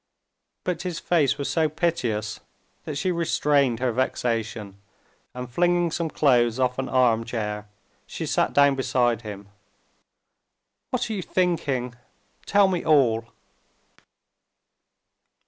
But his face was so piteous, that she restrained her vexation, and flinging some clothes off an armchair, she sat down beside him. "What are you thinking? tell me all."